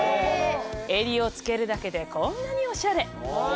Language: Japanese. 襟をつけるだけでこんなにおしゃれ！